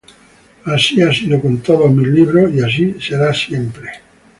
Así ha sido con mis todos libros y así será siempre".